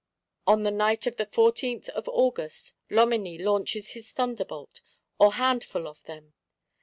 On the night of the 14th of August, Loménie launches his thunderbolt, or handful of them.